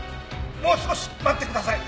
もう少し待ってください！